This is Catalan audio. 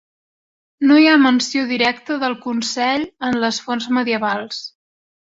No hi ha menció directa del Consell en les fonts medievals.